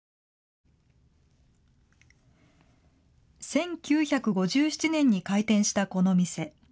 １９５７年に開店したこの店。